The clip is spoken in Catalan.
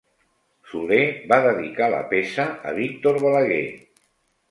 Soler va dedicar la peça a Víctor Balaguer.